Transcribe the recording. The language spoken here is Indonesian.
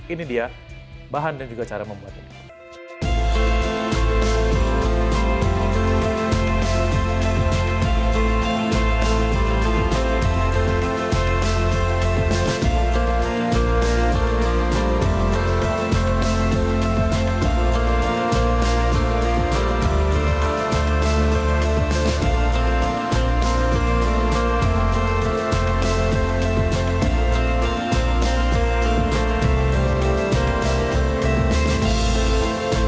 ini dia bahan dan juga cara membuatnya